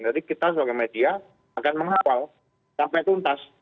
jadi kita sebagai media akan mengawal sampai tuntas